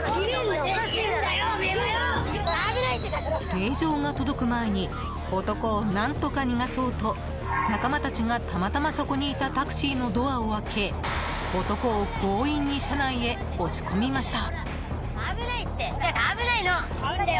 令状が届く前に男を何とか逃がそうと仲間たちが、たまたまそこにいたタクシーのドアを開け男を強引に車内へ押し込みました。